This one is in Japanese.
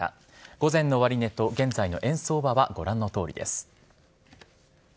午前の終値と現在の円相場はご覧のとおりです。